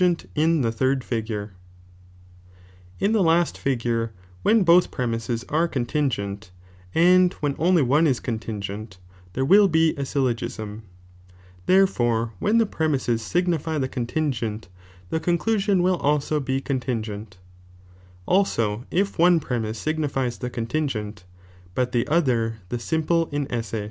IS continffent in the la^t figure, when both premises are contin geai, and when only one ia contingent, there will ,„> fo,'"^ be a sfDogism, therefore when the premisefl aig ""'i"" ocoiIm mfj the coDttngent, the conclusioa wiU also be toodngent; alao if one premise ngniliea the contingent, but tbe olber, the simple icesse.